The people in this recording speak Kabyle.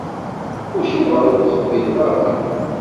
Acuɣer ur teqbileḍ ara?